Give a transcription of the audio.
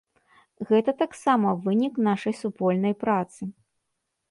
Гэта таксама вынік нашай супольнай працы.